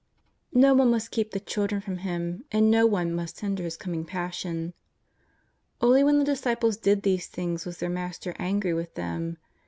"No one must keep the children from Him, and no one must hinder His coming Passion. Only when the disciples did these things was their Master angry with them.